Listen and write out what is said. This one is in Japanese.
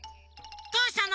どうしたの？